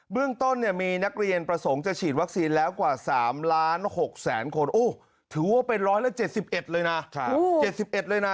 เรื่องต้นมีนักเรียนประสงค์จะฉีดวัคซีนแล้วกว่า๓ล้าน๖แสนคนถือว่าเป็น๑๗๑เลยนะ๗๑เลยนะ